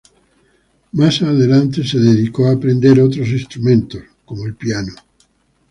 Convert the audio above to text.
Más adelante, adquirió por aprender otros instrumentos como el piano.